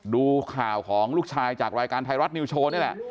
ดูข่าวของลูกชายจากรายการไทยรัฐนิวโชว์นี่แหละ